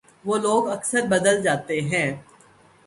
وہ لوگ اکثر بدل جاتے ہیں